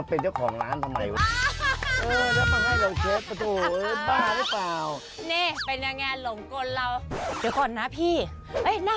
พี่กิฟต์โฆคูณหรือเปล่าเนี่ยสวัสดีค่ะสวัสดีจ้า